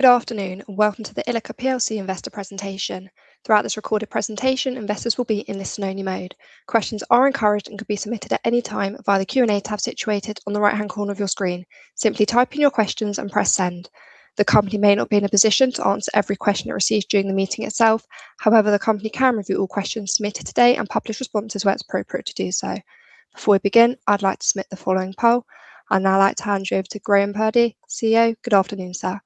Good afternoon, and welcome to the Ilika PLC Investor Presentation. Throughout this recorded presentation, investors will be in listen-only mode. Questions are encouraged and could be submitted at any time via the Q&A tab situated on the right-hand corner of your screen. Simply type in your questions and press send. The company may not be in a position to answer every question it receives during the meeting itself. However, the company can review all questions submitted today and publish responses where it's appropriate to do so. Before we begin, I'd like to submit the following poll. I'd now like to hand you over to Graeme Purdy, CEO. Good afternoon, sir.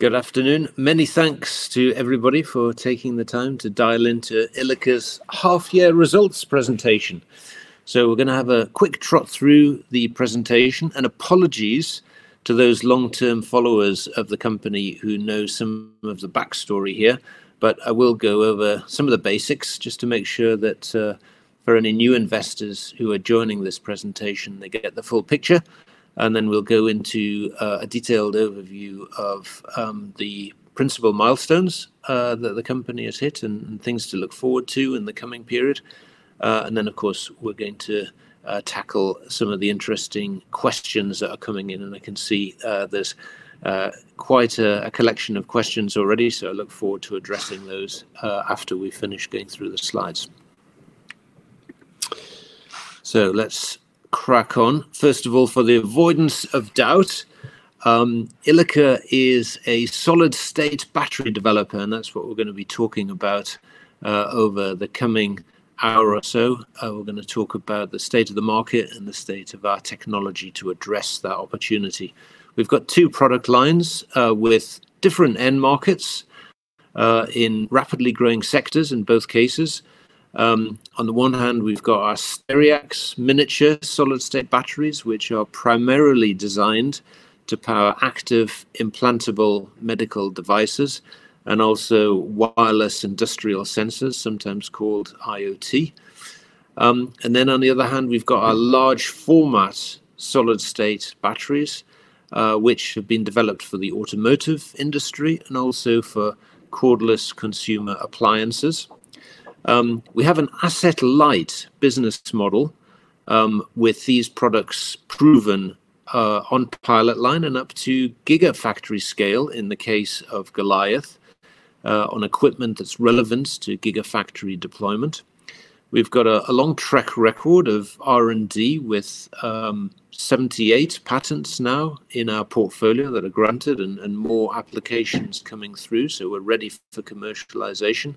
Good afternoon. Many thanks to everybody for taking the time to dial into Ilika's half-year results presentation. So we're going to have a quick trot through the presentation, and apologies to those long-term followers of the company who know some of the backstory here, but I will go over some of the basics just to make sure that for any new investors who are joining this presentation, they get the full picture. And then we'll go into a detailed overview of the principal milestones that the company has hit and things to look forward to in the coming period. And then, of course, we're going to tackle some of the interesting questions that are coming in. And I can see there's quite a collection of questions already, so I look forward to addressing those after we finish going through the slides. So let's crack on. First of all, for the avoidance of doubt, Ilika is a solid-state battery developer, and that's what we're going to be talking about over the coming hour or so. We're going to talk about the state of the market and the state of our technology to address that opportunity. We've got two product lines with different end markets in rapidly growing sectors in both cases. On the one hand, we've got our Stereax miniature solid-state batteries, which are primarily designed to power active implantable medical devices and also wireless industrial sensors, sometimes called IoT. And then on the other hand, we've got our large-format solid-state batteries, which have been developed for the automotive industry and also for cordless consumer appliances. We have an asset-light business model with these products proven on pilot line and up to gigafactory scale in the case of Goliath on equipment that's relevant to gigafactory deployment. We've got a long track record of R&D with 78 patents now in our portfolio that are granted and more applications coming through, so we're ready for commercialization.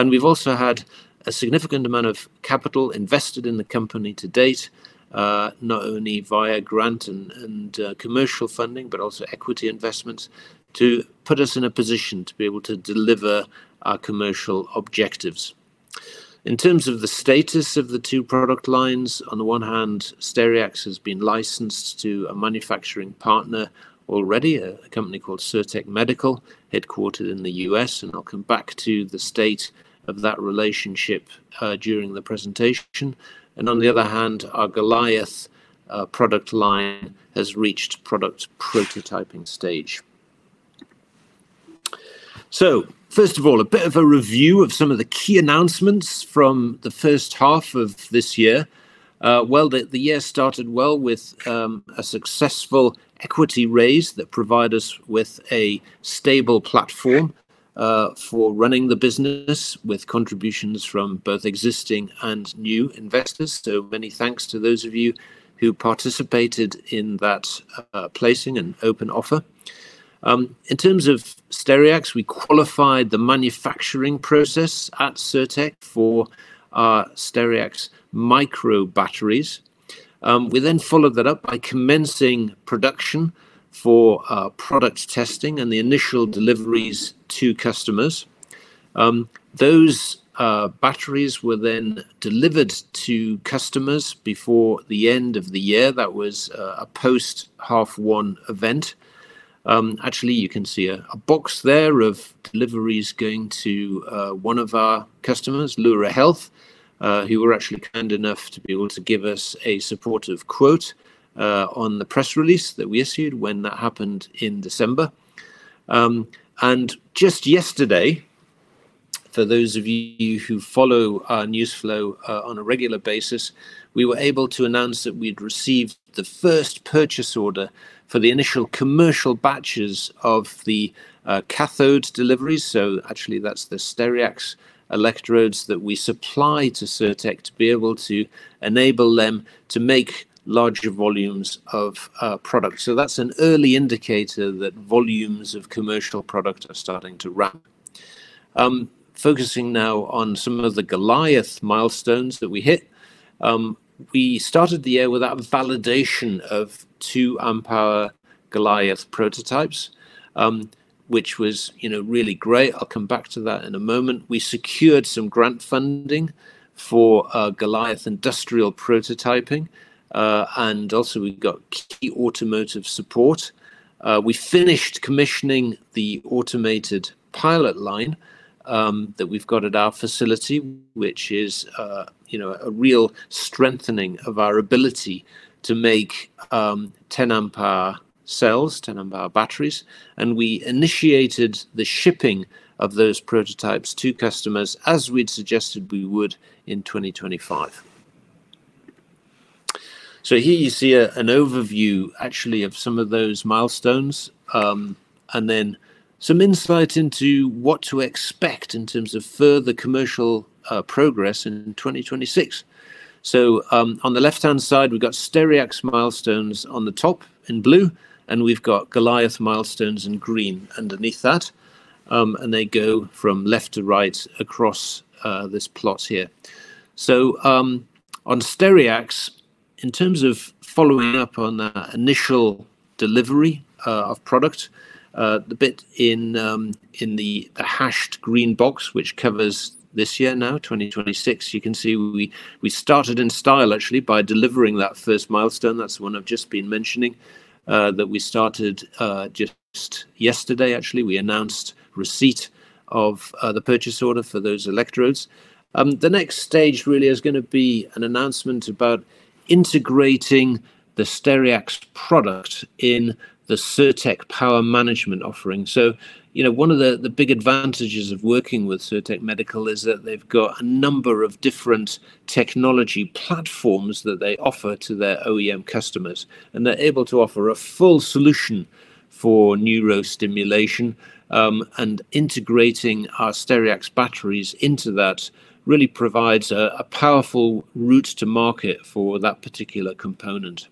And we've also had a significant amount of capital invested in the company to date, not only via grant and commercial funding, but also equity investments to put us in a position to be able to deliver our commercial objectives. In terms of the status of the two product lines, on the one hand, Stereax has been licensed to a manufacturing partner already, a company called Cirtec Medical, headquartered in the U.S., and I'll come back to the state of that relationship during the presentation. And on the other hand, our Goliath product line has reached product prototyping stage. So first of all, a bit of a review of some of the key announcements from the first half of this year. The year started well with a successful equity raise that provided us with a stable platform for running the business with contributions from both existing and new investors. So many thanks to those of you who participated in that placing and open offer. In terms of Stereax, we qualified the manufacturing process at Cirtec for Stereax micro batteries. We then followed that up by commencing production for product testing and the initial deliveries to customers. Those batteries were then delivered to customers before the end of the year. That was a post-half-one event. Actually, you can see a box there of deliveries going to one of our customers, Lura Health, who were actually kind enough to be able to give us a supportive quote on the press release that we issued when that happened in December. Just yesterday, for those of you who follow our news flow on a regular basis, we were able to announce that we'd received the first purchase order for the initial commercial batches of the cathode deliveries. So actually, that's the Stereax electrodes that we supply to Cirtec to be able to enable them to make larger volumes of product. So that's an early indicator that volumes of commercial product are starting to ramp. Focusing now on some of the Goliath milestones that we hit, we started the year with that validation of two amp-hour Goliath prototypes, which was really great. I'll come back to that in a moment. We secured some grant funding for Goliath industrial prototyping, and also we got key automotive support. We finished commissioning the automated pilot line that we've got at our facility, which is a real strengthening of our ability to make 10 amp-hour cells, 10 amp-hour batteries. And we initiated the shipping of those prototypes to customers as we'd suggested we would in 2025. So here you see an overview actually of some of those milestones and then some insight into what to expect in terms of further commercial progress in 2026. So on the left-hand side, we've got Stereax milestones on the top in blue, and we've got Goliath milestones in green underneath that. And they go from left to right across this plot here. So on Stereax, in terms of following up on that initial delivery of product, the bit in the hashed green box, which covers this year now, 2026, you can see we started in style actually by delivering that first milestone. That's the one I've just been mentioning that we started just yesterday. Actually, we announced receipt of the purchase order for those electrodes. The next stage really is going to be an announcement about integrating the Stereax product in the Cirtec power management offering, so one of the big advantages of working with Cirtec Medical is that they've got a number of different technology platforms that they offer to their OEM customers, and they're able to offer a full solution for neurostimulation, and integrating our Stereax batteries into that really provides a powerful route to market for that particular component,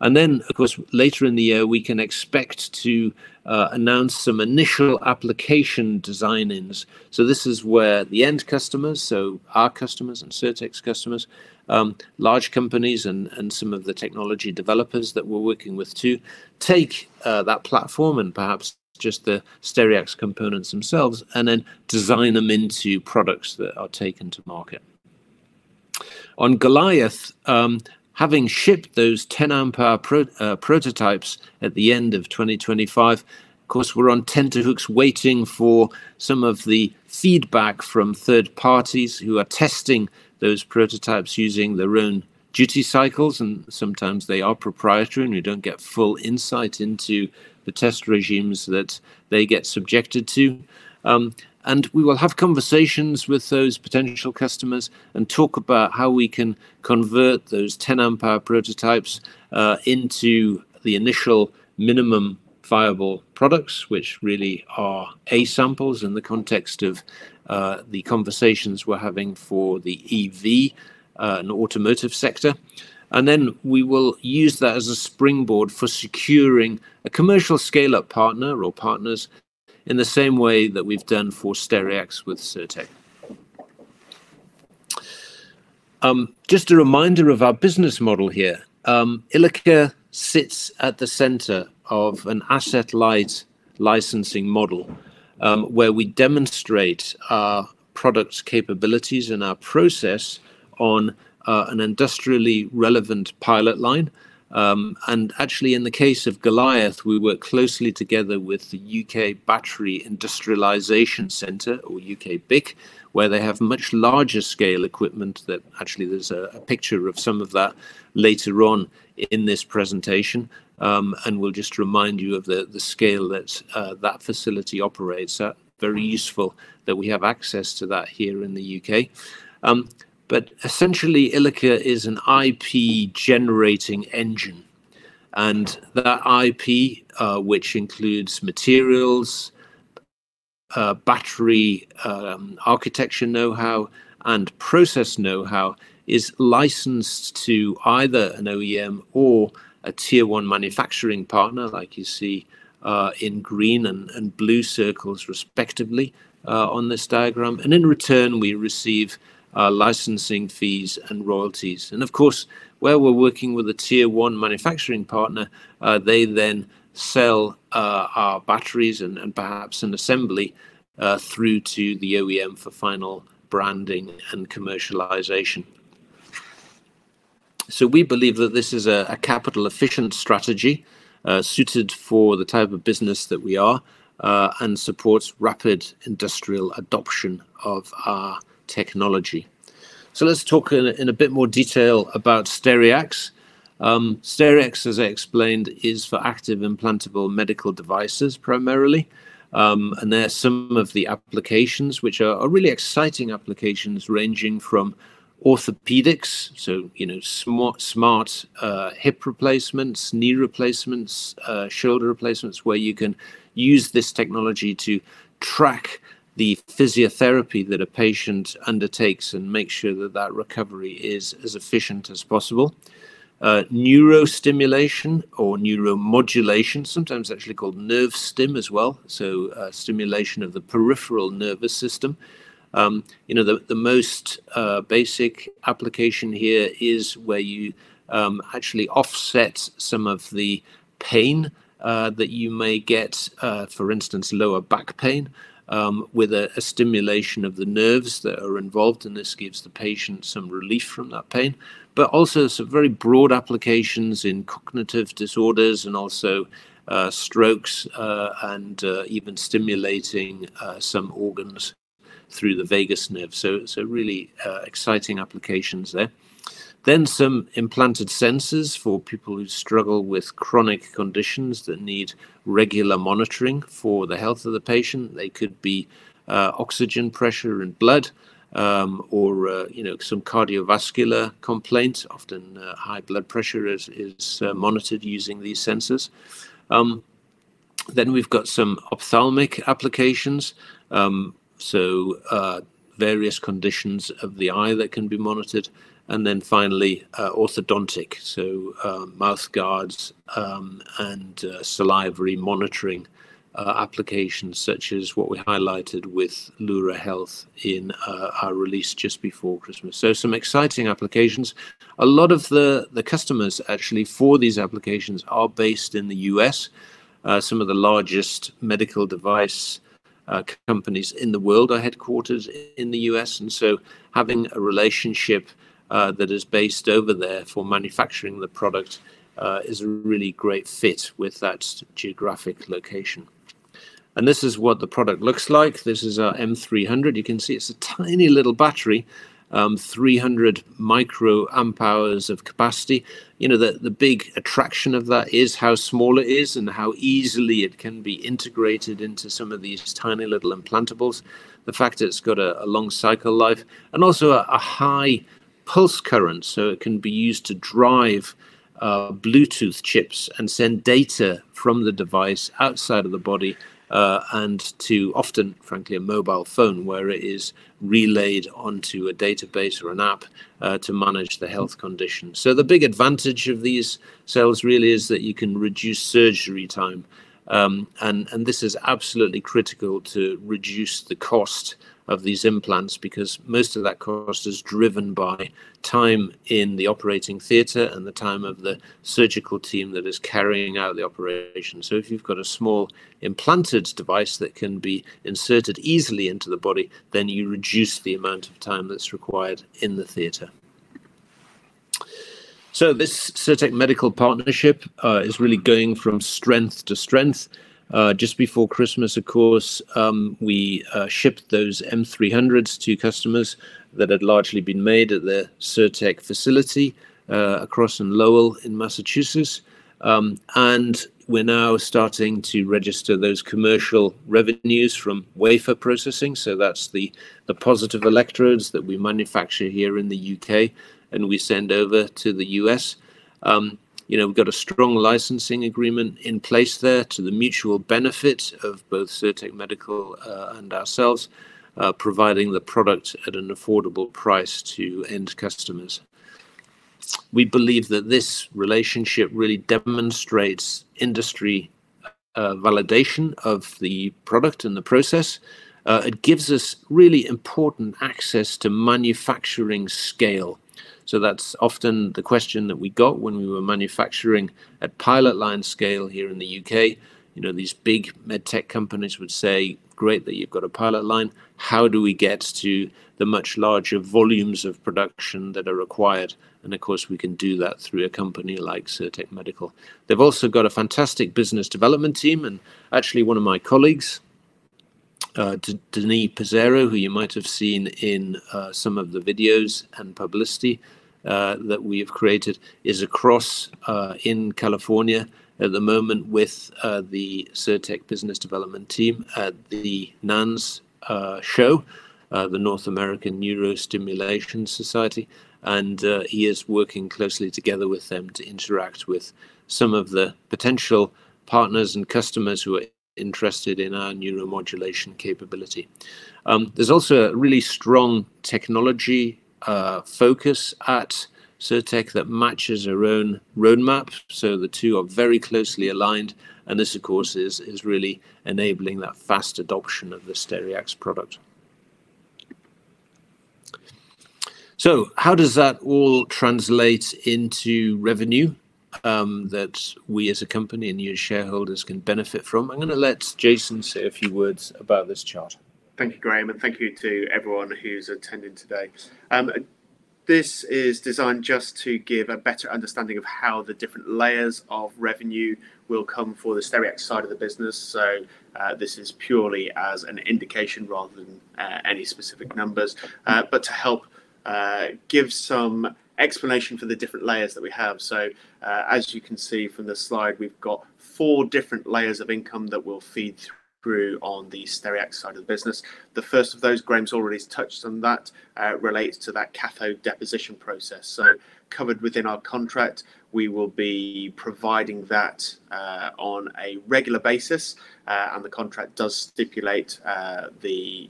and then, of course, later in the year, we can expect to announce some initial application designs. This is where the end customers, so our customers and Cirtec's customers, large companies, and some of the technology developers that we're working with to take that platform and perhaps just the Stereax components themselves and then design them into products that are taken to market. On Goliath, having shipped those 10 amp-hour prototypes at the end of 2025, of course, we're on tenterhooks waiting for some of the feedback from third parties who are testing those prototypes using their own duty cycles. And sometimes they are proprietary, and we don't get full insight into the test regimes that they get subjected to. And we will have conversations with those potential customers and talk about how we can convert those 10 amp-hour prototypes into the initial minimum viable products, which really are A samples in the context of the conversations we're having for the EV and automotive sector. Then we will use that as a springboard for securing a commercial scale-up partner or partners in the same way that we've done for Stereax with Cirtec. Just a reminder of our business model here. Ilika sits at the center of an asset-light licensing model where we demonstrate our product's capabilities and our process on an industrially relevant pilot line. Actually, in the case of Goliath, we work closely together with the UK Battery Industrialisation Centre or UK BIC, where they have much larger scale equipment that actually there's a picture of some of that later on in this presentation. We'll just remind you of the scale that that facility operates. Very useful that we have access to that here in the U.K. Essentially, Ilika is an IP-generating engine. That IP, which includes materials, battery architecture know-how, and process know-how, is licensed to either an OEM or a tier-one manufacturing partner, like you see in green and blue circles respectively on this diagram. In return, we receive licensing fees and royalties. Of course, where we're working with a tier-one manufacturing partner, they then sell our batteries and perhaps an assembly through to the OEM for final branding and commercialization. We believe that this is a capital-efficient strategy suited for the type of business that we are and supports rapid industrial adoption of our technology. Let's talk in a bit more detail about Stereax. Stereax, as I explained, is for active implantable medical devices primarily. There are some of the applications which are really exciting applications ranging from orthopedics, so smart hip replacements, knee replacements, shoulder replacements, where you can use this technology to track the physiotherapy that a patient undertakes and make sure that that recovery is as efficient as possible. Neurostimulation or neuromodulation, sometimes actually called nerve stim as well, so stimulation of the peripheral nervous system. The most basic application here is where you actually offset some of the pain that you may get, for instance, lower back pain with a stimulation of the nerves that are involved, and this gives the patient some relief from that pain, but also some very broad applications in cognitive disorders and also strokes and even stimulating some organs through the vagus nerve, so really exciting applications there. Then some implanted sensors for people who struggle with chronic conditions that need regular monitoring for the health of the patient. They could be oxygen pressure and blood or some cardiovascular complaints. Often high blood pressure is monitored using these sensors. Then we've got some ophthalmic applications, so various conditions of the eye that can be monitored. And then finally, orthodontic, so mouth guards and salivary monitoring applications such as what we highlighted with Lura Health in our release just before Christmas. So some exciting applications. A lot of the customers actually for these applications are based in the U.S. Some of the largest medical device companies in the world are headquartered in the U.S. And so having a relationship that is based over there for manufacturing the product is a really great fit with that geographic location. And this is what the product looks like. This is our M300. You can see it's a tiny little battery, 300 microamp hours of capacity. The big attraction of that is how small it is and how easily it can be integrated into some of these tiny little implantables. The fact that it's got a long cycle life and also a high pulse current, so it can be used to drive Bluetooth chips and send data from the device outside of the body and to often, frankly, a mobile phone where it is relayed onto a database or an app to manage the health condition. So the big advantage of these cells really is that you can reduce surgery time. And this is absolutely critical to reduce the cost of these implants because most of that cost is driven by time in the operating theater and the time of the surgical team that is carrying out the operation. If you've got a small implanted device that can be inserted easily into the body, then you reduce the amount of time that's required in the theater. This Cirtec Medical partnership is really going from strength to strength. Just before Christmas, of course, we shipped those M300s to customers that had largely been made at the Cirtec facility across in Lowell, Massachusetts. We're now starting to register those commercial revenues from wafer processing. That's the positive electrodes that we manufacture here in the U.K. and we send over to the U.S. We've got a strong licensing agreement in place there to the mutual benefit of both Cirtec Medical and ourselves, providing the product at an affordable price to end customers. We believe that this relationship really demonstrates industry validation of the product and the process. It gives us really important access to manufacturing scale. That's often the question that we got when we were manufacturing at pilot line scale here in the U.K. These big med tech companies would say, "Great that you've got a pilot line. How do we get to the much larger volumes of production that are required?" Of course, we can do that through a company like Cirtec Medical. They've also got a fantastic business development team. Actually, one of my colleagues, Denis Pasero, who you might have seen in some of the videos and publicity that we have created, is across in California at the moment with the Cirtec business development team at the NANS show, the North American Neuromodulation Society. He is working closely together with them to interact with some of the potential partners and customers who are interested in our neuromodulation capability. There's also a really strong technology focus at Cirtec that matches our own roadmap. So the two are very closely aligned. And this, of course, is really enabling that fast adoption of the Stereax product. So how does that all translate into revenue that we as a company and your shareholders can benefit from? I'm going to let Jason say a few words about this chart. Thank you, Graeme, and thank you to everyone who's attending today. This is designed just to give a better understanding of how the different layers of revenue will come for the Stereax side of the business. So this is purely as an indication rather than any specific numbers, but to help give some explanation for the different layers that we have. As you can see from the slide, we've got four different layers of income that will feed through on the Stereax side of the business. The first of those, Graeme's already touched on that, relates to that cathode deposition process. Covered within our contract, we will be providing that on a regular basis. And the contract does stipulate the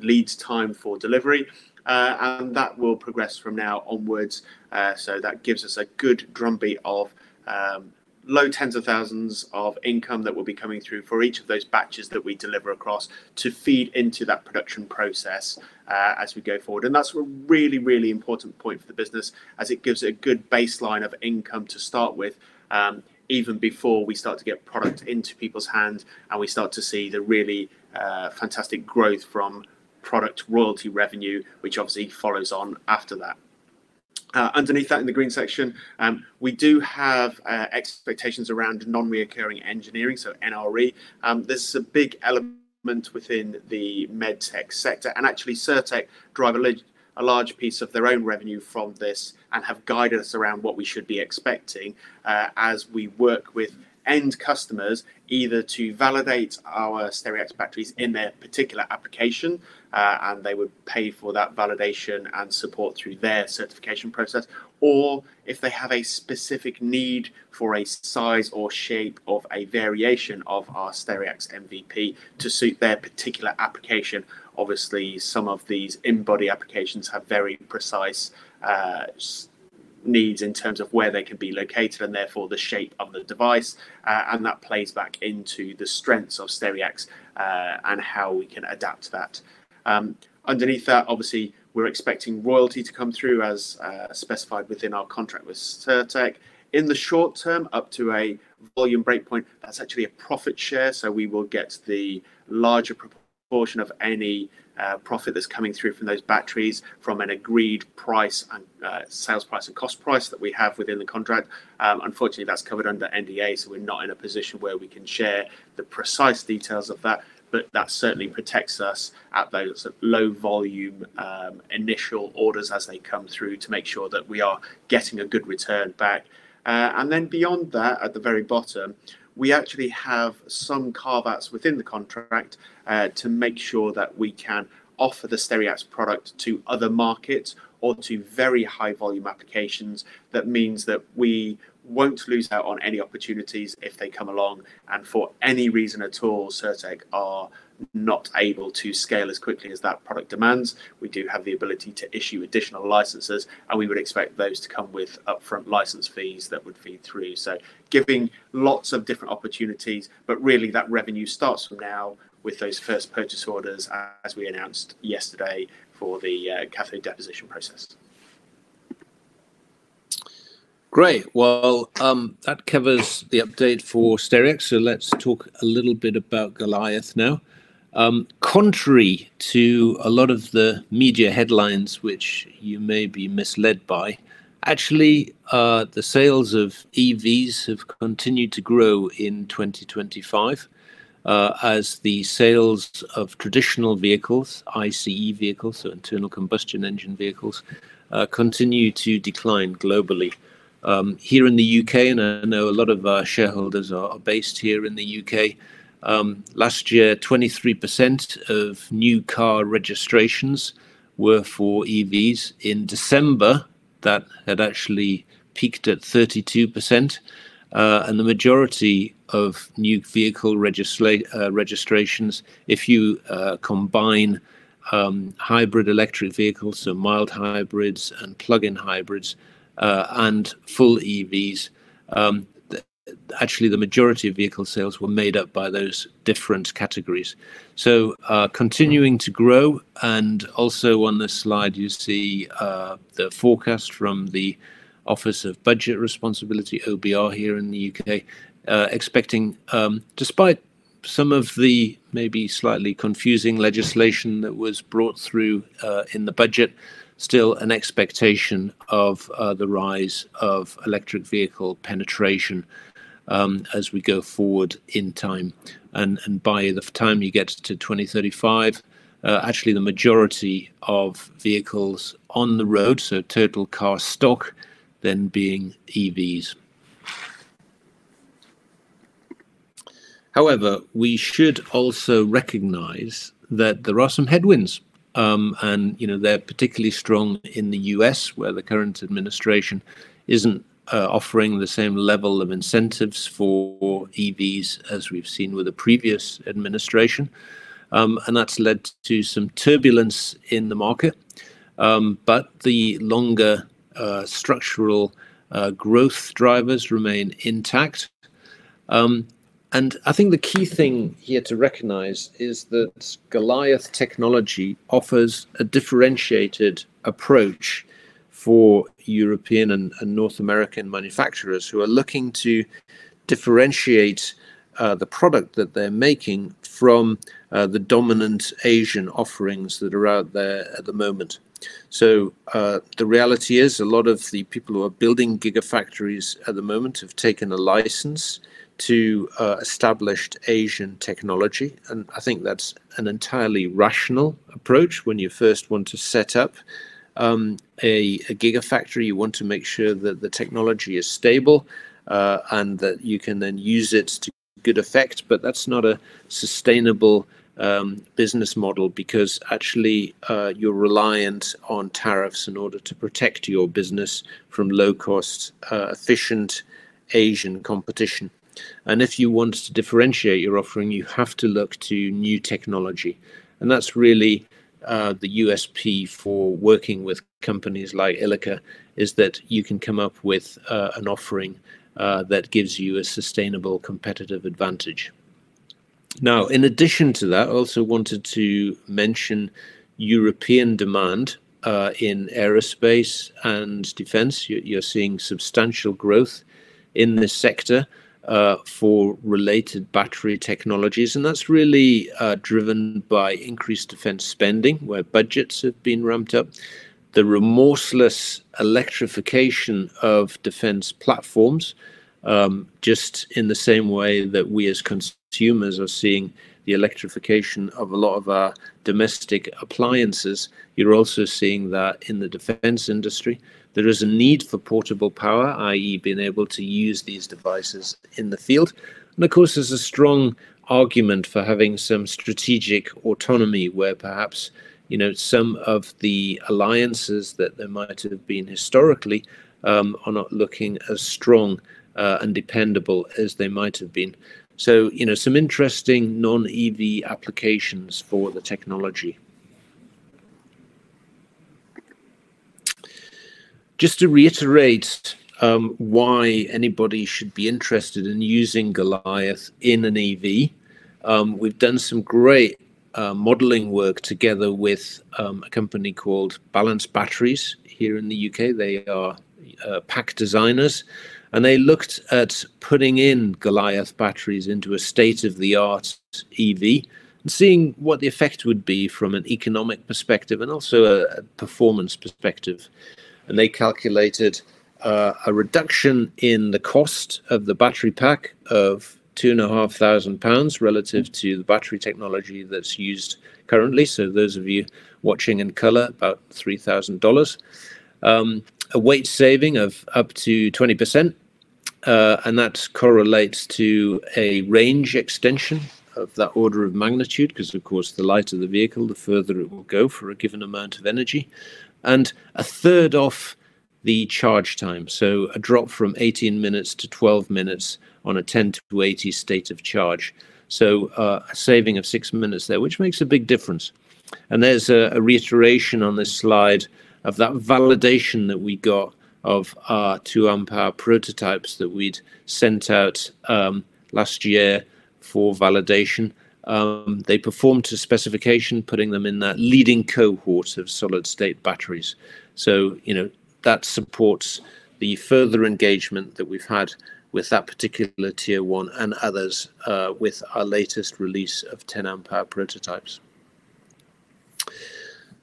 lead time for delivery. And that will progress from now onwards. That gives us a good drumbeat of low tens of thousands of income that will be coming through for each of those batches that we deliver across to feed into that production process as we go forward. That's a really, really important point for the business as it gives a good baseline of income to start with, even before we start to get product into people's hands and we start to see the really fantastic growth from product royalty revenue, which obviously follows on after that. Underneath that, in the green section, we do have expectations around non-recurring engineering, so NRE. This is a big element within the med tech sector. Actually, Cirtec drive a large piece of their own revenue from this and have guided us around what we should be expecting as we work with end customers either to validate our Stereax batteries in their particular application, and they would pay for that validation and support through their certification process, or if they have a specific need for a size or shape of a variation of our Stereax MVP to suit their particular application. Obviously, some of these in-body applications have very precise needs in terms of where they can be located and therefore the shape of the device. That plays back into the strengths of Stereax and how we can adapt to that. Underneath that, obviously, we're expecting royalty to come through as specified within our contract with Cirtec. In the short term, up to a volume breakpoint, that's actually a profit share. So we will get the larger proportion of any profit that's coming through from those batteries from an agreed price and sales price and cost price that we have within the contract. Unfortunately, that's covered under NDA, so we're not in a position where we can share the precise details of that. But that certainly protects us at those low volume initial orders as they come through to make sure that we are getting a good return back. And then beyond that, at the very bottom, we actually have some carve-outs within the contract to make sure that we can offer the Stereax product to other markets or to very high volume applications. That means that we won't lose out on any opportunities if they come along. And for any reason at all, Cirtec are not able to scale as quickly as that product demands. We do have the ability to issue additional licenses, and we would expect those to come with upfront license fees that would feed through, so giving lots of different opportunities, but really that revenue starts from now with those first purchase orders as we announced yesterday for the cathode deposition process. Great. Well, that covers the update for Stereax, so let's talk a little bit about Goliath now. Contrary to a lot of the media headlines, which you may be misled by, actually, the sales of EVs have continued to grow in 2025 as the sales of traditional vehicles, ICE vehicles, so internal combustion engine vehicles, continue to decline globally. Here in the U.K., and I know a lot of our shareholders are based here in the U.K., last year, 23% of new car registrations were for EVs. In December, that had actually peaked at 32%. The majority of new vehicle registrations, if you combine hybrid electric vehicles, so mild hybrids and plug-in hybrids and full EVs, actually the majority of vehicle sales were made up by those different categories. Continuing to grow. Also on this slide, you see the forecast from the Office for Budget Responsibility, OBR here in the UK, expecting, despite some of the maybe slightly confusing legislation that was brought through in the budget, still an expectation of the rise of electric vehicle penetration as we go forward in time. By the time you get to 2035, actually the majority of vehicles on the road, so total car stock, then being EVs. However, we should also recognize that there are some headwinds. They're particularly strong in the U.S., where the current administration isn't offering the same level of incentives for EVs as we've seen with the previous administration. That's led to some turbulence in the market. The longer structural growth drivers remain intact. I think the key thing here to recognize is that Goliath technology offers a differentiated approach for European and North American manufacturers who are looking to differentiate the product that they're making from the dominant Asian offerings that are out there at the moment. The reality is a lot of the people who are building gigafactories at the moment have taken a license to established Asian technology. I think that's an entirely rational approach. When you first want to set up a gigafactory, you want to make sure that the technology is stable and that you can then use it to good effect. But that's not a sustainable business model because actually you're reliant on tariffs in order to protect your business from low-cost, efficient Asian competition. And if you want to differentiate your offering, you have to look to new technology. And that's really the USP for working with companies like Ilika, is that you can come up with an offering that gives you a sustainable competitive advantage. Now, in addition to that, I also wanted to mention European demand in aerospace and defense. You're seeing substantial growth in this sector for related battery technologies. And that's really driven by increased defense spending, where budgets have been ramped up, the remorseless electrification of defense platforms. Just in the same way that we as consumers are seeing the electrification of a lot of our domestic appliances, you're also seeing that in the defense industry, there is a need for portable power, i.e., being able to use these devices in the field. And of course, there's a strong argument for having some strategic autonomy, where perhaps some of the alliances that there might have been historically are not looking as strong and dependable as they might have been. So some interesting non-EV applications for the technology. Just to reiterate why anybody should be interested in using Goliath in an EV, we've done some great modeling work together with a company called Balance Batteries here in the U.K. They are pack designers. And they looked at putting in Goliath batteries into a state-of-the-art EV and seeing what the effect would be from an economic perspective and also a performance perspective. And they calculated a reduction in the cost of the battery pack of 2,500 pounds relative to the battery technology that's used currently. So those of you watching in color, about $3,000. A weight saving of up to 20%. And that correlates to a range extension of that order of magnitude because, of course, the lighter the vehicle, the further it will go for a given amount of energy. And a third off the charge time, so a drop from 18 minutes to 12 minutes on a 10 to 80 state of charge. So a saving of six minutes there, which makes a big difference. And there's a reiteration on this slide of that validation that we got of our two amp-hour prototypes that we'd sent out last year for validation. They performed to specification, putting them in that leading cohort of solid-state batteries. So that supports the further engagement that we've had with that particular tier one and others with our latest release of 10 amp-hour prototypes.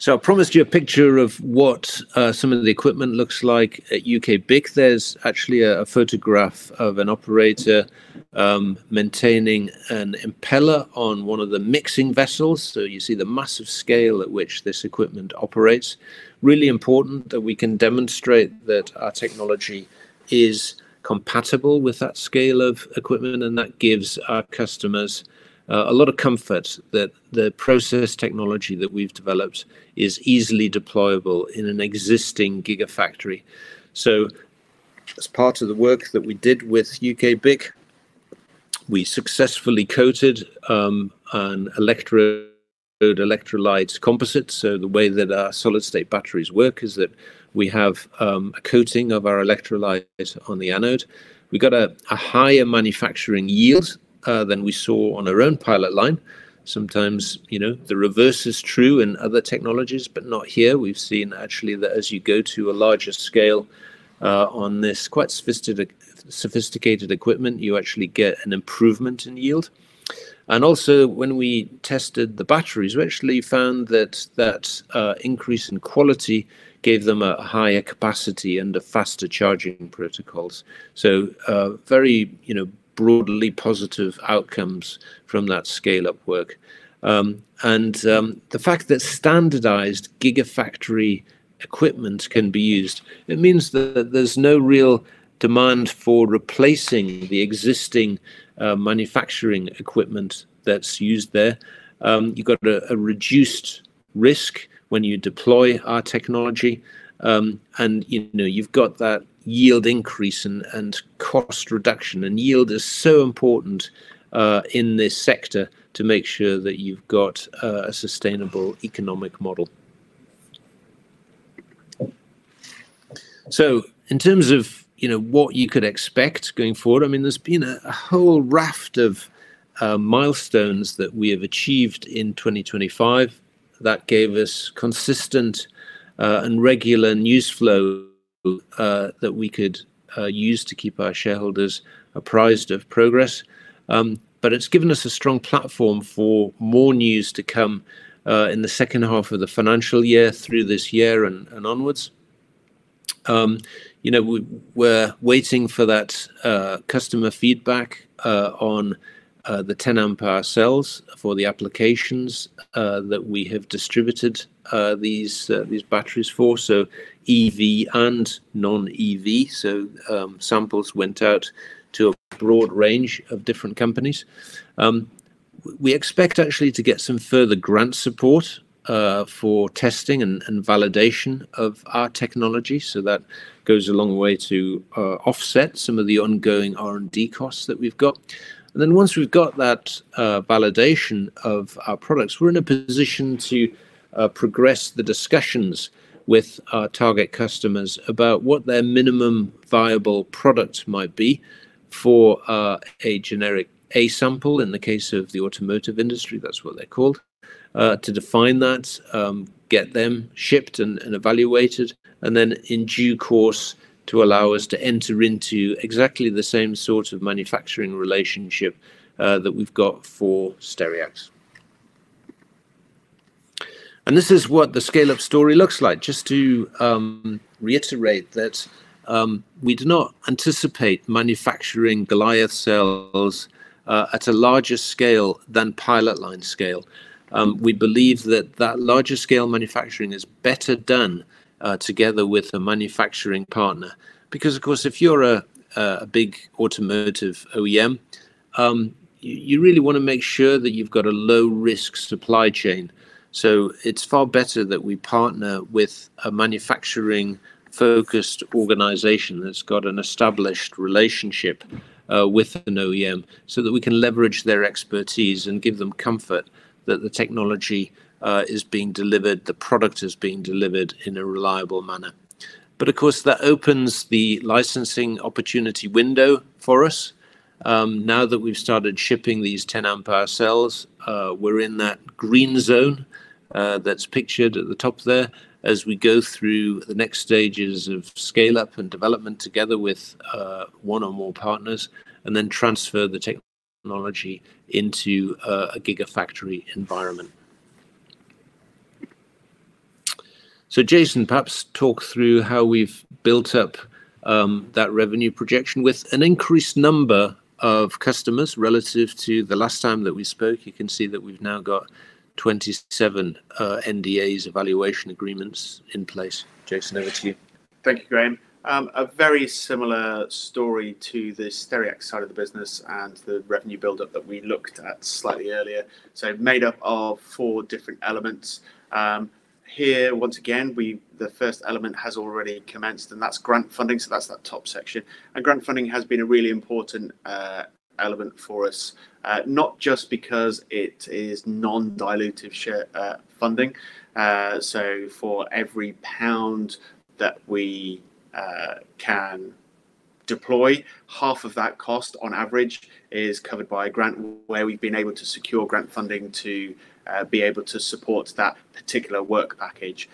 So I promised you a picture of what some of the equipment looks like at UKBIC. There's actually a photograph of an operator maintaining an impeller on one of the mixing vessels. So you see the massive scale at which this equipment operates. Really important that we can demonstrate that our technology is compatible with that scale of equipment. And that gives our customers a lot of comfort that the process technology that we've developed is easily deployable in an existing gigafactory. As part of the work that we did with UKBIC, we successfully coated an electrode electrolyte composite. The way that our solid-state batteries work is that we have a coating of our electrolyte on the anode. We got a higher manufacturing yield than we saw on our own pilot line. Sometimes the reverse is true in other technologies, but not here. We've seen actually that as you go to a larger scale on this quite sophisticated equipment, you actually get an improvement in yield. And also, when we tested the batteries, we actually found that that increase in quality gave them a higher capacity and a faster charging protocols. Very broadly positive outcomes from that scale-up work. The fact that standardized gigafactory equipment can be used. It means that there's no real demand for replacing the existing manufacturing equipment that's used there. You've got a reduced risk when you deploy our technology. And you've got that yield increase and cost reduction. And yield is so important in this sector to make sure that you've got a sustainable economic model. So in terms of what you could expect going forward, I mean, there's been a whole raft of milestones that we have achieved in 2025 that gave us consistent and regular news flow that we could use to keep our shareholders apprised of progress. But it's given us a strong platform for more news to come in the second half of the financial year through this year and onwards. We're waiting for that customer feedback on the 10 amp-hour cells for the applications that we have distributed these batteries for, so EV and non-EV. So samples went out to a broad range of different companies. We expect actually to get some further grant support for testing and validation of our technology, so that goes a long way to offset some of the ongoing R&D costs that we've got, and then once we've got that validation of our products, we're in a position to progress the discussions with our target customers about what their minimum viable product might be for a generic A sample. In the case of the automotive industry, that's what they're called, to define that, get them shipped and evaluated, and then in due course to allow us to enter into exactly the same sort of manufacturing relationship that we've got for Stereax, and this is what the scale-up story looks like. Just to reiterate that we do not anticipate manufacturing Goliath cells at a larger scale than pilot line scale. We believe that larger scale manufacturing is better done together with a manufacturing partner. Because, of course, if you're a big automotive OEM, you really want to make sure that you've got a low-risk supply chain. So it's far better that we partner with a manufacturing-focused organization that's got an established relationship with an OEM so that we can leverage their expertise and give them comfort that the technology is being delivered, the product is being delivered in a reliable manner. But, of course, that opens the licensing opportunity window for us. Now that we've started shipping these 10 amp-hour cells, we're in that green zone that's pictured at the top there as we go through the next stages of scale-up and development together with one or more partners and then transfer the technology into a gigafactory environment. So, Jason, perhaps talk through how we've built up that revenue projection with an increased number of customers relative to the last time that we spoke. You can see that we've now got 27 NDAs, evaluation agreements in place. Jason, over to you. Thank you, Graeme. A very similar story to the Stereax side of the business and the revenue buildup that we looked at slightly earlier. So made up of four different elements. Here, once again, the first element has already commenced, and that's grant funding. So that's that top section. And grant funding has been a really important element for us, not just because it is non-dilutive funding. So for every pound that we can deploy, half of that cost on average is covered by a grant where we've been able to secure grant funding to be able to support that particular work package.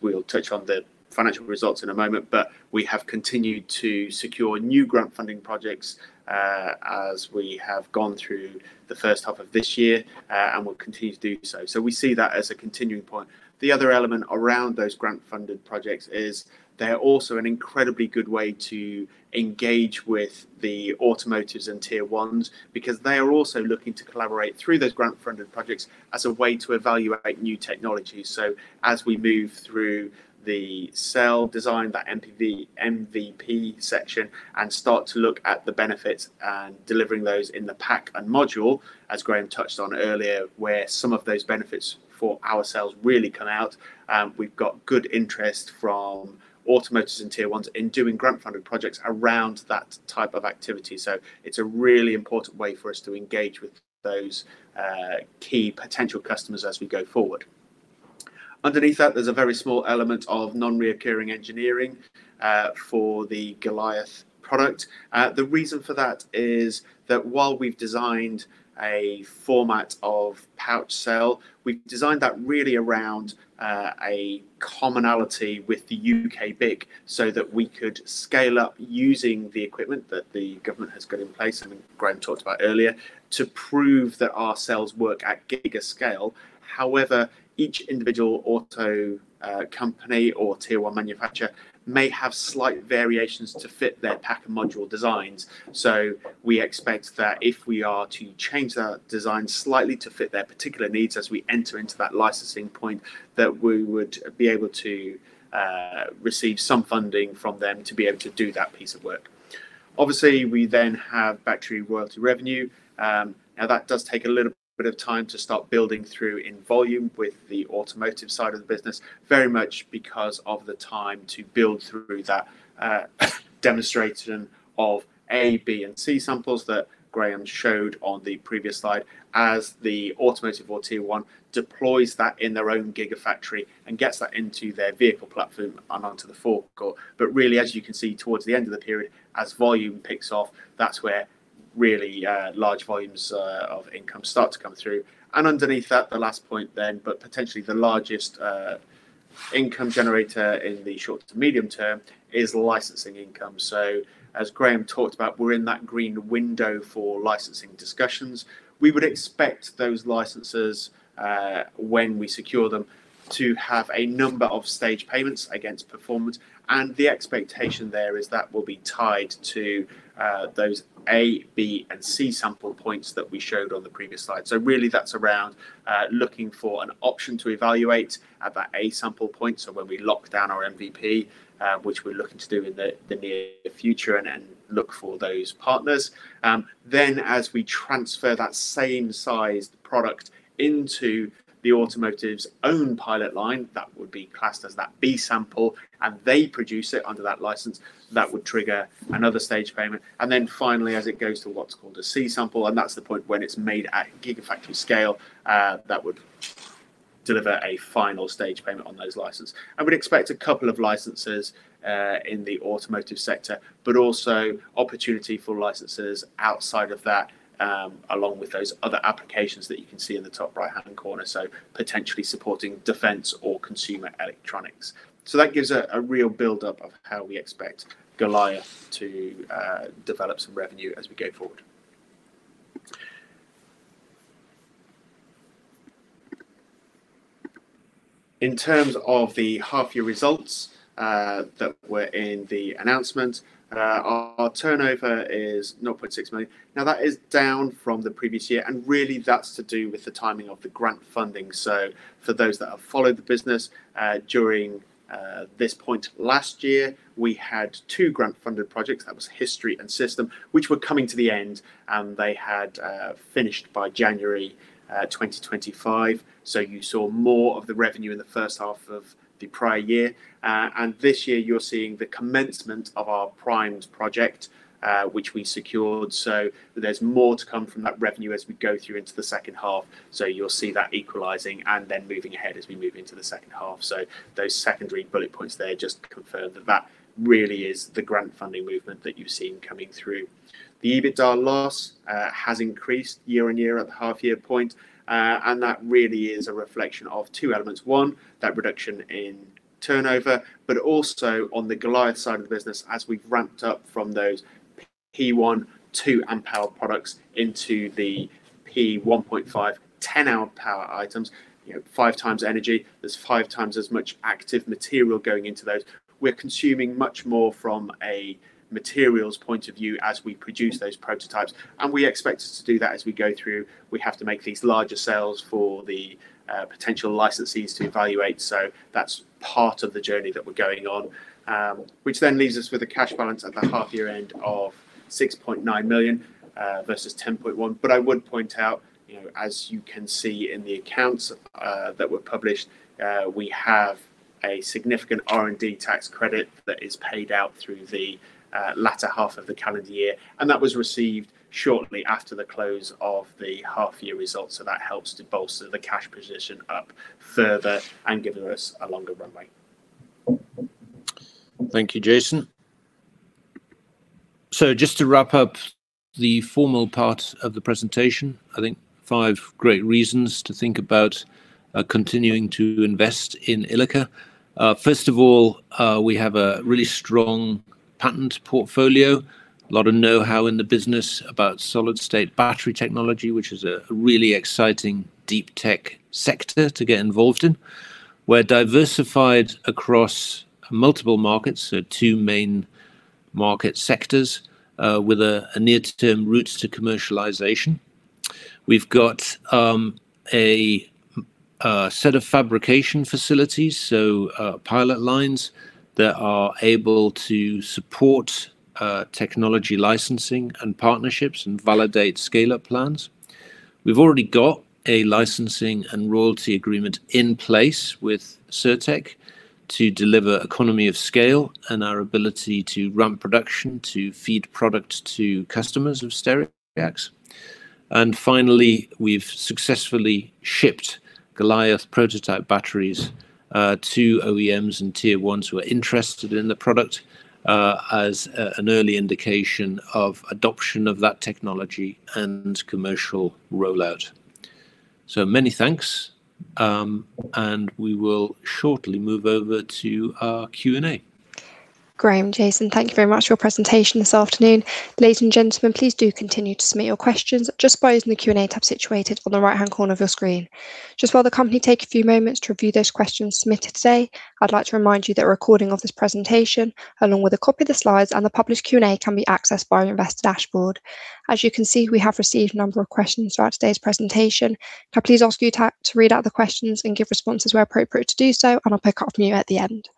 We'll touch on the financial results in a moment. We have continued to secure new grant funding projects as we have gone through the first half of this year and will continue to do so. We see that as a continuing point. The other element around those grant-funded projects is they're also an incredibly good way to engage with the automotives and tier ones because they are also looking to collaborate through those grant-funded projects as a way to evaluate new technologies. As we move through the cell design, that MVP section, and start to look at the benefits and delivering those in the pack and module, as Graeme touched on earlier, where some of those benefits for our cells really come out, we've got good interest from automotives and tier ones in doing grant-funded projects around that type of activity. So it's a really important way for us to engage with those key potential customers as we go forward. Underneath that, there's a very small element of non-recurring engineering for the Goliath product. The reason for that is that while we've designed a format of pouch cell, we've designed that really around a commonality with the UKBIC so that we could scale up using the equipment that the government has got in place, and Graeme talked about earlier, to prove that our cells work at gigascale. However, each individual auto company or tier one manufacturer may have slight variations to fit their pack and module designs. So we expect that if we are to change that design slightly to fit their particular needs as we enter into that licensing point, that we would be able to receive some funding from them to be able to do that piece of work. Obviously, we then have battery royalty revenue. Now, that does take a little bit of time to start building through in volume with the automotive side of the business, very much because of the time to build through that demonstration of A, B, and C samples that Graeme showed on the previous slide as the automotive or tier one deploys that in their own gigafactory and gets that into their vehicle platform and onto the forecourt. But really, as you can see, towards the end of the period, as volume picks off, that's where really large volumes of income start to come through. Underneath that, the last point then, but potentially the largest income generator in the short to medium term is licensing income. As Graeme talked about, we're in that green window for licensing discussions. We would expect those licenses, when we secure them, to have a number of stage payments against performance. The expectation there is that will be tied to those A, B, and C sample points that we showed on the previous slide. Really, that's around looking for an option to evaluate at that A sample point. When we lock down our MVP, which we're looking to do in the near future and look for those partners, then as we transfer that same-sized product into the automotive's own pilot line, that would be classed as that B sample, and they produce it under that license, that would trigger another stage payment. And then finally, as it goes to what's called a C-sample, and that's the point when it's made at gigafactory scale, that would deliver a final stage payment on those licenses. And we'd expect a couple of licenses in the automotive sector, but also opportunity for licenses outside of that, along with those other applications that you can see in the top right-hand corner. So potentially supporting defense or consumer electronics. So that gives a real buildup of how we expect Goliath to develop some revenue as we go forward. In terms of the half-year results that were in the announcement, our turnover is 0.6 million. Now, that is down from the previous year. And really, that's to do with the timing of the grant funding. So for those that have followed the business, during this point last year, we had two grant-funded projects. That was HISTORY and SiSTEM, which were coming to the end, and they had finished by January 2025, so you saw more of the revenue in the first half of the prior year, and this year, you're seeing the commencement of our primed project, which we secured, so there's more to come from that revenue as we go through into the second half, so you'll see that equalizing and then moving ahead as we move into the second half, so those secondary bullet points there just confirm that that really is the grant funding movement that you've seen coming through. The EBITDA loss has increased year on year at the half-year point, and that really is a reflection of two elements. One, that reduction in turnover, but also on the Goliath side of the business, as we've ramped up from those P1, 2 amp-hour products into the P1.5, 10 amp-hour items, five times energy. There's five times as much active material going into those. We're consuming much more from a materials point of view as we produce those prototypes. And we expect to do that as we go through. We have to make these larger samples for the potential licensees to evaluate. So that's part of the journey that we're going on, which then leaves us with a cash balance at the half-year end of 6.9 million versus 10.1 million. But I would point out, as you can see in the accounts that were published, we have a significant R&D tax credit that is paid out through the latter half of the calendar year. That was received shortly after the close of the half-year results. That helps to bolster the cash position up further and gives us a longer runway. Thank you, Jason. Just to wrap up the formal part of the presentation, I think five great reasons to think about continuing to invest in Ilika. First of all, we have a really strong patent portfolio, a lot of know-how in the business about solid-state battery technology, which is a really exciting deep tech sector to get involved in. We're diversified across multiple markets, so two main market sectors with a near-term route to commercialization. We've got a set of fabrication facilities, so pilot lines that are able to support technology licensing and partnerships and validate scale-up plans. We've already got a licensing and royalty agreement in place with Cirtec to deliver economy of scale and our ability to ramp production to feed product to customers of Stereax. And finally, we've successfully shipped Goliath prototype batteries to OEMs and tier ones who are interested in the product as an early indication of adoption of that technology and commercial rollout. So many thanks. And we will shortly move over to our Q&A. Graeme, Jason, thank you very much for your presentation this afternoon. Ladies and gentlemen, please do continue to submit your questions. Just by using the Q&A tab situated on the right-hand corner of your screen. Just while the company takes a few moments to review those questions submitted today, I'd like to remind you that a recording of this presentation, along with a copy of the slides and the published Q&A, can be accessed via our investor dashboard. As you can see, we have received a number of questions throughout today's presentation. I'll please ask you to read out the questions and give responses where appropriate to do so, and I'll pick up from you at the end.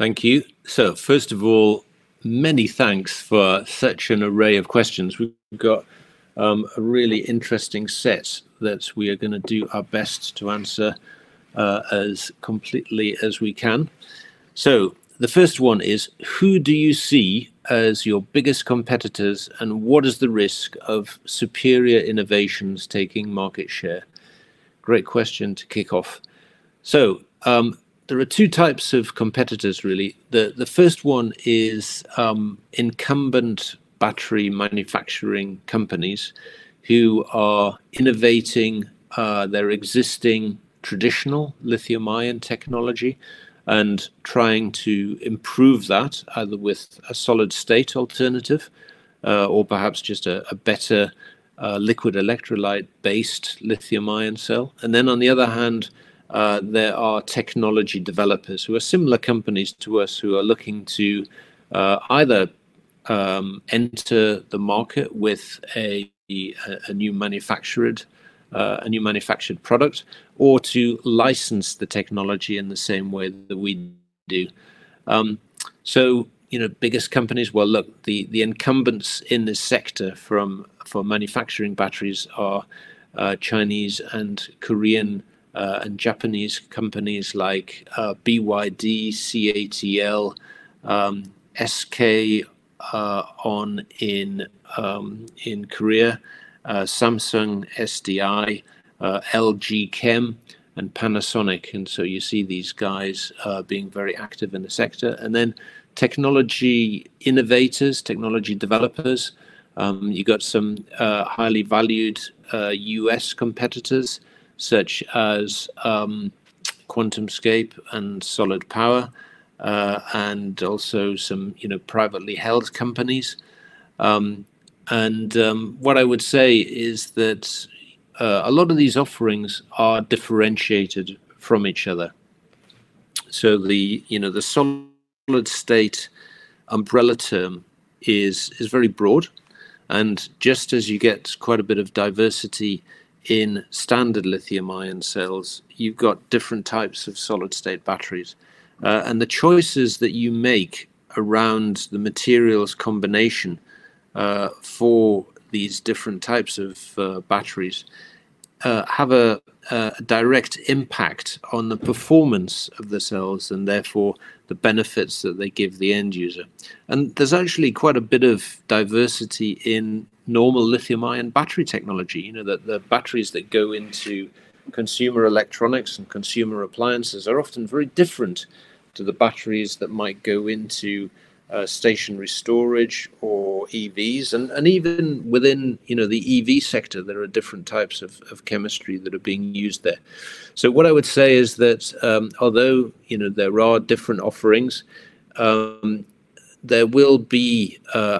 Thank you. So first of all, many thanks for such an array of questions. We've got a really interesting set that we are going to do our best to answer as completely as we can. So the first one is, who do you see as your biggest competitors, and what is the risk of superior innovations taking market share? Great question to kick off. There are two types of competitors, really. The first one is incumbent battery manufacturing companies who are innovating their existing traditional lithium-ion technology and trying to improve that either with a solid-state alternative or perhaps just a better liquid electrolyte-based lithium-ion cell. And then, on the other hand, there are technology developers who are similar companies to us who are looking to either enter the market with a new manufactured product or to license the technology in the same way that we do. Biggest companies, well, look, the incumbents in this sector for manufacturing batteries are Chinese and Korean and Japanese companies like BYD, CATL, SK On in Korea, Samsung SDI, LG Chem, and Panasonic. And so you see these guys being very active in the sector. And then technology innovators, technology developers. You've got some highly valued U.S. competitors such as QuantumScape and Solid Power and also some privately held companies. And what I would say is that a lot of these offerings are differentiated from each other. So the solid-state umbrella term is very broad. And just as you get quite a bit of diversity in standard lithium-ion cells, you've got different types of solid-state batteries. And the choices that you make around the materials combination for these different types of batteries have a direct impact on the performance of the cells and therefore the benefits that they give the end user. And there's actually quite a bit of diversity in normal lithium-ion battery technology. The batteries that go into consumer electronics and consumer appliances are often very different to the batteries that might go into stationary storage or EVs. Even within the EV sector, there are different types of chemistry that are being used there. What I would say is that although there are different offerings, there will be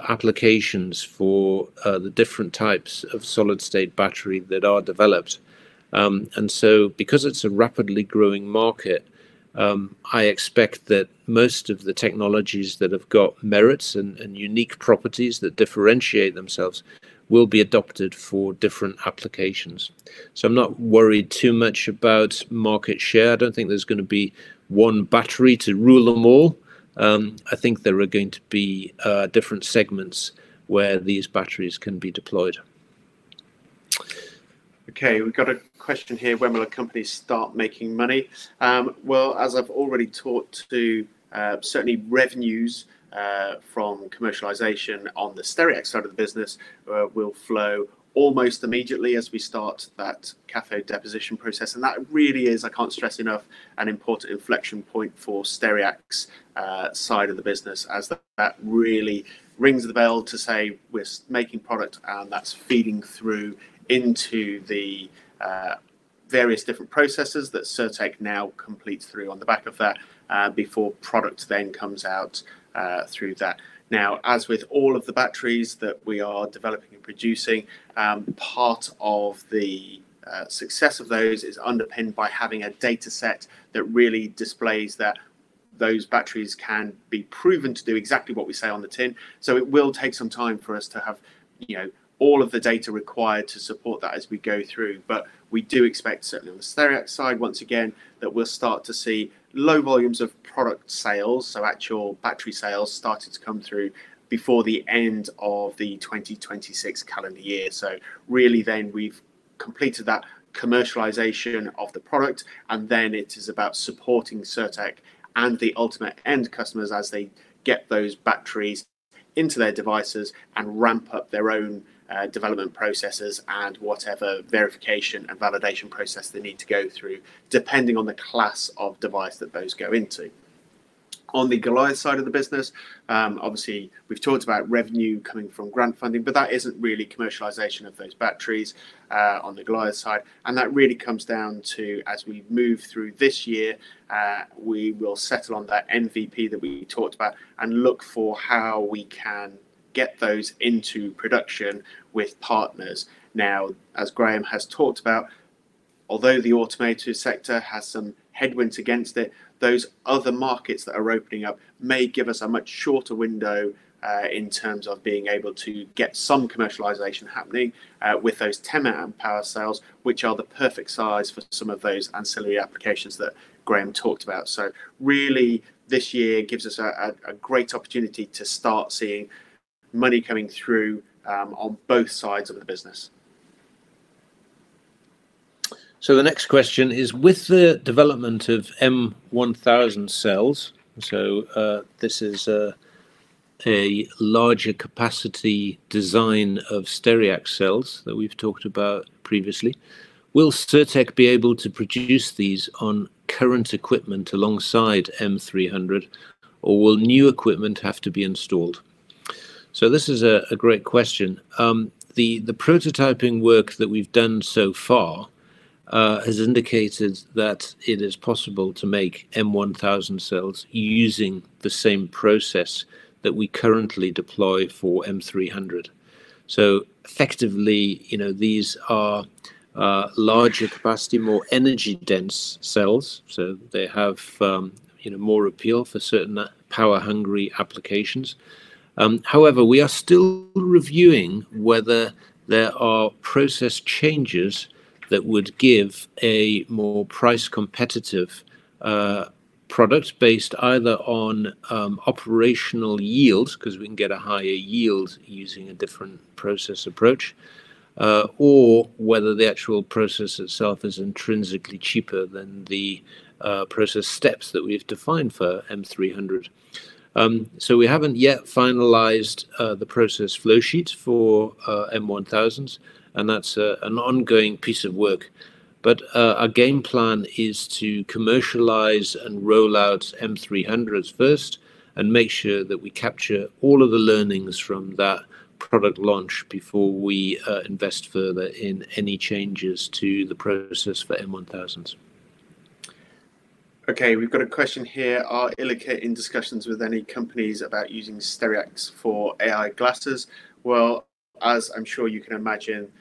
applications for the different types of solid-state battery that are developed. Because it's a rapidly growing market, I expect that most of the technologies that have got merits and unique properties that differentiate themselves will be adopted for different applications. I'm not worried too much about market share. I don't think there's going to be one battery to rule them all. I think there are going to be different segments where these batteries can be deployed. Okay. We've got a question here. When will a company start making money? As I've already talked to, certainly revenues from commercialization on the Stereax side of the business will flow almost immediately as we start that cathode deposition process. And that really is, I can't stress enough, an important inflection point for Stereax's side of the business as that really rings the bell to say, "We're making product," and that's feeding through into the various different processes that Cirtec now completes through on the back of that before product then comes out through that. Now, as with all of the batteries that we are developing and producing, part of the success of those is underpinned by having a dataset that really displays that those batteries can be proven to do exactly what we say on the tin. It will take some time for us to have all of the data required to support that as we go through. We do expect, certainly on the Stereax side, once again, that we'll start to see low volumes of product sales, so actual battery sales starting to come through before the end of the 2026 calendar year. Really, then we've completed that commercialization of the product, and then it is about supporting Cirtec and the ultimate end customers as they get those batteries into their devices and ramp up their own development processes and whatever verification and validation process they need to go through, depending on the class of device that those go into. On the Goliath side of the business, obviously, we've talked about revenue coming from grant funding, but that isn't really commercialization of those batteries on the Goliath side of the business. And that really comes down to, as we move through this year, we will settle on that MVP that we talked about and look for how we can get those into production with partners. Now, as Graeme has talked about, although the automotive sector has some headwinds against it, those other markets that are opening up may give us a much shorter window in terms of being able to get some commercialization happening with those 10 amp-hour cells, which are the perfect size for some of those ancillary applications that Graeme talked about. So really, this year gives us a great opportunity to start seeing money coming through on both sides of the business. So the next question is, with the development of M1000 cells, so this is a larger capacity design of Stereax cells that we've talked about previously, will Cirtec be able to produce these on current equipment alongside M300, or will new equipment have to be installed? So this is a great question. The prototyping work that we've done so far has indicated that it is possible to make M1000 cells using the same process that we currently deploy for M300. So effectively, these are larger capacity, more energy-dense cells. So they have more appeal for certain power-hungry applications. However, we are still reviewing whether there are process changes that would give a more price-competitive product based either on operational yields because we can get a higher yield using a different process approach, or whether the actual process itself is intrinsically cheaper than the process steps that we've defined for M300. So we haven't yet finalized the process flow sheets for M1000s, and that's an ongoing piece of work. But our game plan is to commercialize and roll out M300s first and make sure that we capture all of the learnings from that product launch before we invest further in any changes to the process for M1000s. Okay. We've got a question here. Are Ilika in discussions with any companies about using Stereax for AI glasses? Well, as I'm sure you can imagine,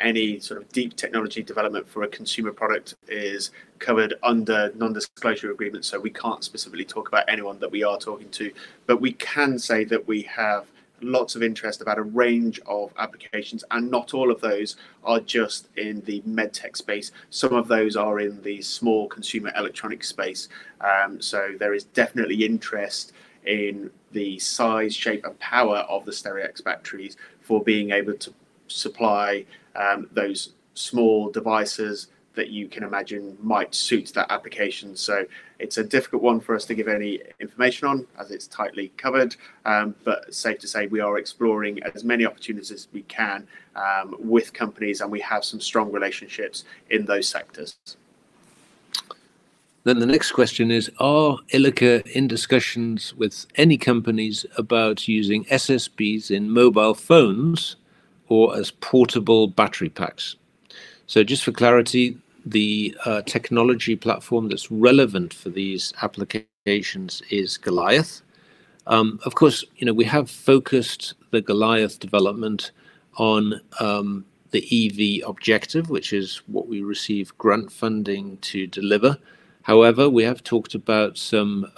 any sort of deep technology development for a consumer product is covered under non-disclosure agreements, so we can't specifically talk about anyone that we are talking to. But we can say that we have lots of interest about a range of applications, and not all of those are just in the med tech space. Some of those are in the small consumer electronics space. So there is definitely interest in the size, shape, and power of the Stereax batteries for being able to supply those small devices that you can imagine might suit that application. So it's a difficult one for us to give any information on as it's tightly covered. But safe to say, we are exploring as many opportunities as we can with companies, and we have some strong relationships in those sectors. Then the next question is, are Ilika in discussions with any companies about using SSBs in mobile phones or as portable battery packs? So just for clarity, the technology platform that's relevant for these applications is Goliath. Of course, we have focused the Goliath development on the EV objective, which is what we receive grant funding to deliver. However, we have talked about some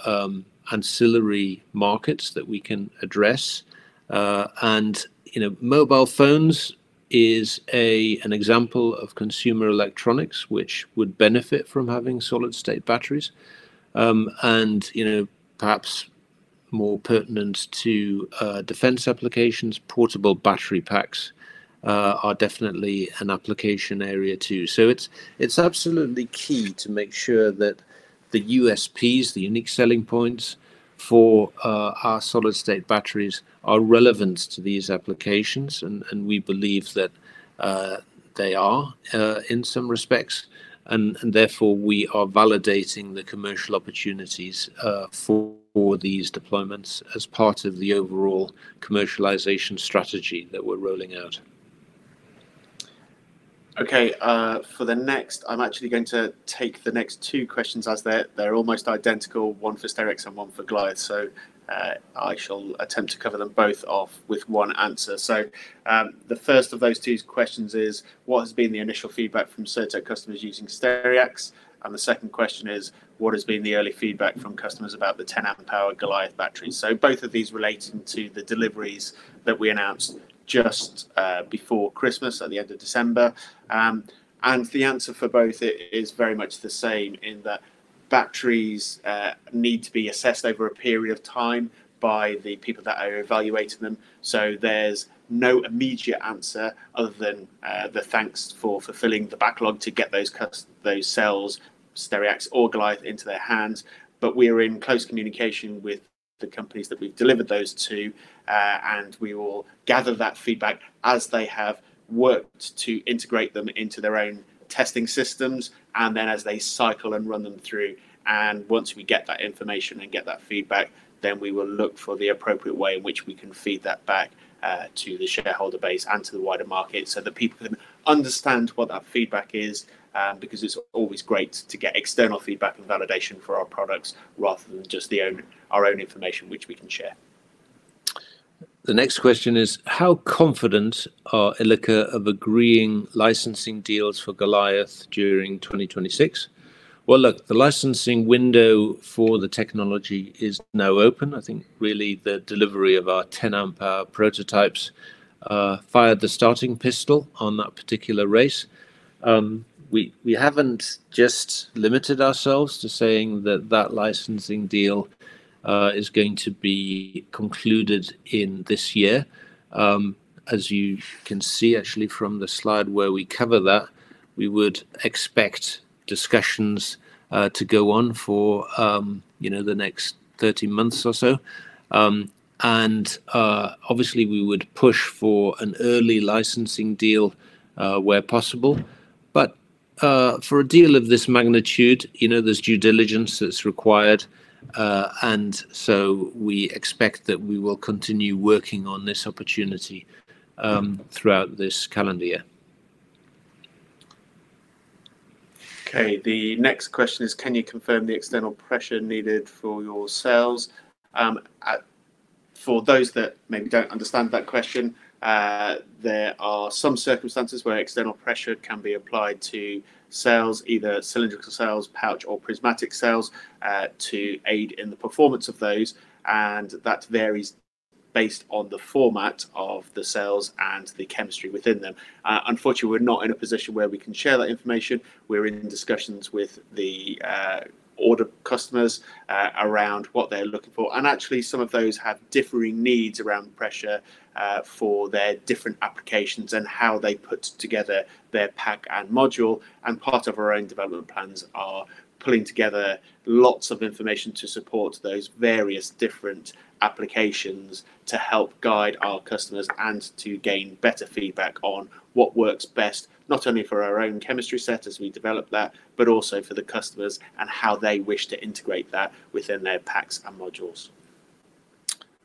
ancillary markets that we can address. Mobile phones is an example of consumer electronics which would benefit from having solid-state batteries. Perhaps more pertinent to defense applications, portable battery packs are definitely an application area too. It's absolutely key to make sure that the USPs, the unique selling points for our solid-state batteries, are relevant to these applications. We believe that they are in some respects. Therefore, we are validating the commercial opportunities for these deployments as part of the overall commercialization strategy that we're rolling out. Okay. For the next, I'm actually going to take the next two questions as they're almost identical, one for Stereax and one for Goliath. I shall attempt to cover them both off with one answer. The first of those two questions is, what has been the initial feedback from Cirtec customers using Stereax? And the second question is, what has been the early feedback from customers about the 10 amp-hour Goliath batteries? So both of these relating to the deliveries that we announced just before Christmas at the end of December. And the answer for both is very much the same in that batteries need to be assessed over a period of time by the people that are evaluating them. So there's no immediate answer other than the thanks for fulfilling the backlog to get those cells, Stereax or Goliath, into their hands. But we are in close communication with the companies that we've delivered those to, and we will gather that feedback as they have worked to integrate them into their own testing systems and then as they cycle and run them through. Once we get that information and get that feedback, then we will look for the appropriate way in which we can feed that back to the shareholder base and to the wider market so that people can understand what that feedback is because it's always great to get external feedback and validation for our products rather than just our own information which we can share. The next question is, how confident are Ilika of agreeing licensing deals for Goliath during 2026? Well, look, the licensing window for the technology is now open. I think really the delivery of our 10 amp-hour prototypes fired the starting pistol on that particular race. We haven't just limited ourselves to saying that that licensing deal is going to be concluded in this year. As you can see actually from the slide where we cover that, we would expect discussions to go on for the next 30 months or so. And obviously, we would push for an early licensing deal where possible. But for a deal of this magnitude, there's due diligence that's required. And so we expect that we will continue working on this opportunity throughout this calendar year. Okay. The next question is, can you confirm the external pressure needed for your cells? For those that maybe don't understand that question, there are some circumstances where external pressure can be applied to cells, either cylindrical cells, pouch, or prismatic cells, to aid in the performance of those. And that varies based on the format of the cells and the chemistry within them. Unfortunately, we're not in a position where we can share that information. We're in discussions with the order customers around what they're looking for. And actually, some of those have differing needs around pressure for their different applications and how they put together their pack and module. And part of our own development plans are pulling together lots of information to support those various different applications to help guide our customers and to gain better feedback on what works best, not only for our own chemistry set as we develop that, but also for the customers and how they wish to integrate that within their packs and modules.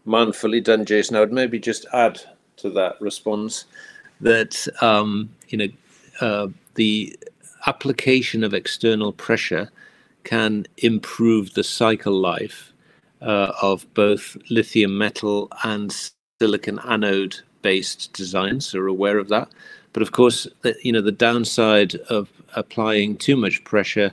Graeme Purdy now, I'd maybe just add to that response that the application of external pressure can improve the cycle life of both lithium metal and silicon anode-based designs. So we're aware of that. But of course, the downside of applying too much pressure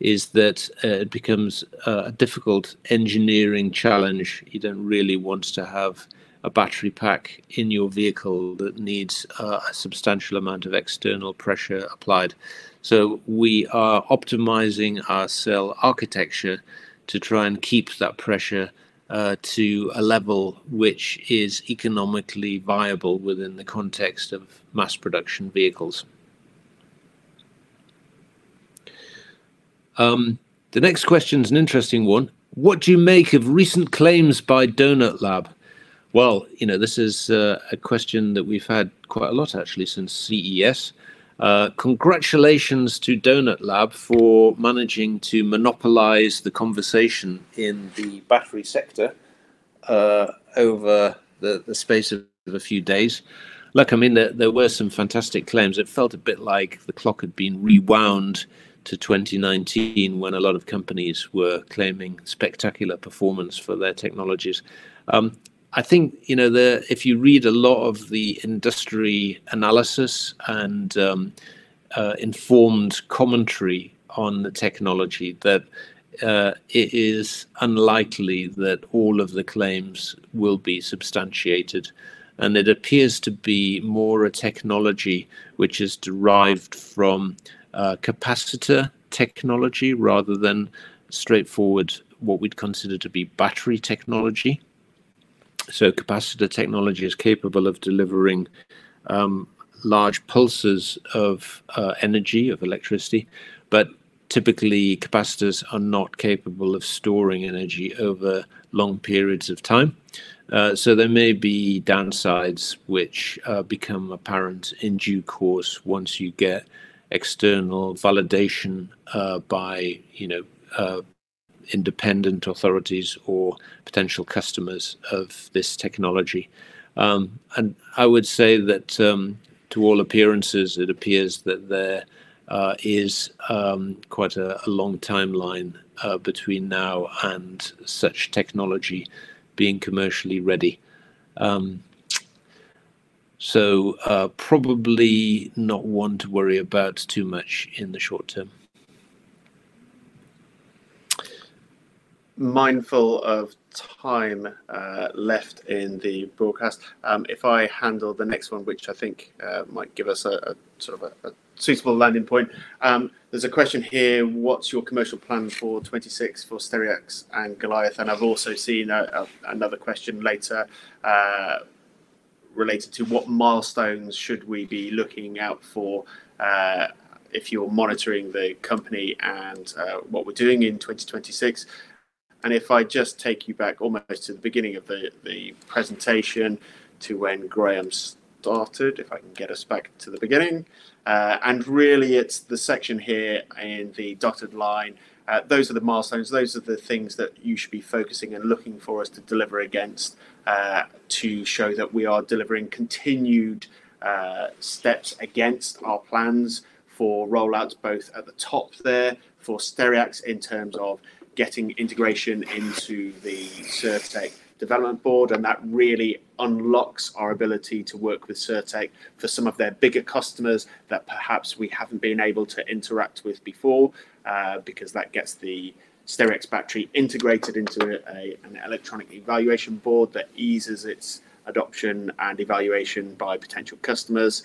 is that it becomes a difficult engineering challenge. You don't really want to have a battery pack in your vehicle that needs a substantial amount of external pressure applied. So we are optimizing our cell architecture to try and keep that pressure to a level which is economically viable within the context of mass production vehicles. The next question is an interesting one. What do you make of recent claims by Donut Lab? Well, this is a question that we've had quite a lot actually since CES. Congratulations to Donut Lab for managing to monopolize the conversation in the battery sector over the space of a few days. Look, I mean, there were some fantastic claims. It felt a bit like the clock had been rewound to 2019 when a lot of companies were claiming spectacular performance for their technologies. I think if you read a lot of the industry analysis and informed commentary on the technology, that it is unlikely that all of the claims will be substantiated. It appears to be more a technology which is derived from capacitor technology rather than straightforward what we'd consider to be battery technology, so capacitor technology is capable of delivering large pulses of energy, of electricity, but typically, capacitors are not capable of storing energy over long periods of time, so there may be downsides which become apparent in due course once you get external validation by independent authorities or potential customers of this technology, and I would say that to all appearances, it appears that there is quite a long timeline between now and such technology being commercially ready, so probably not one to worry about too much in the short term. Mindful of time left in the broadcast, if I handle the next one, which I think might give us a sort of a suitable landing point. There's a question here, what's your commercial plan for 2026 for Stereax and Goliath? And I've also seen another question later related to what milestones should we be looking out for if you're monitoring the company and what we're doing in 2026? And if I just take you back almost to the beginning of the presentation to when Graeme started, if I can get us back to the beginning. And really, it's the section here in the dotted line. Those are the milestones. Those are the things that you should be focusing and looking for us to deliver against to show that we are delivering continued steps against our plans for rollouts both at the top there for Stereax in terms of getting integration into the Cirtec development board, and that really unlocks our ability to work with Cirtec for some of their bigger customers that perhaps we haven't been able to interact with before because that gets the Stereax battery integrated into an electronic evaluation board that eases its adoption and evaluation by potential customers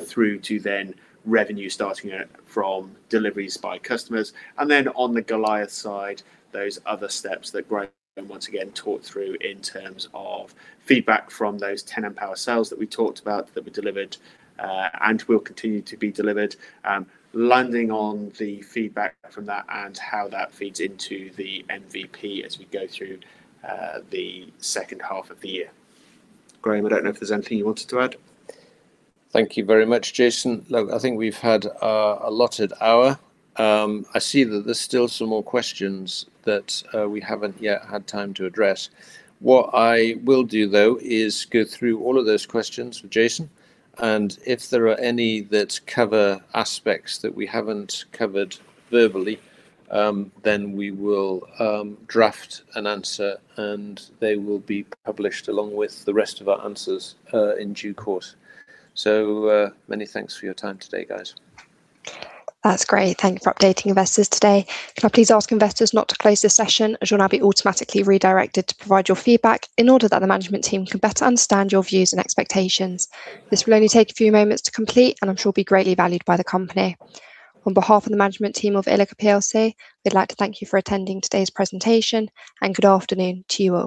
through to then revenue starting from deliveries by customers. And then on the Goliath side, those other steps that Graeme once again talked through in terms of feedback from those 10 amp-hour cells that we talked about that were delivered and will continue to be delivered, landing on the feedback from that and how that feeds into the MVP as we go through the second half of the year. Graeme, I don't know if there's anything you wanted to add. Thank you very much, Jason. Look, I think we've had a lot at our. I see that there's still some more questions that we haven't yet had time to address. What I will do, though, is go through all of those questions with Jason. And if there are any that cover aspects that we haven't covered verbally, then we will draft an answer, and they will be published along with the rest of our answers in due course. So many thanks for your time today, guys. That's great. Thank you for updating investors today. Can I please ask investors not to close the session as you'll now be automatically redirected to provide your feedback in order that the management team can better understand your views and expectations? This will only take a few moments to complete, and I'm sure it'll be greatly valued by the company. On behalf of the management team of Ilika PLC, we'd like to thank you for attending today's presentation, and good afternoon to you all.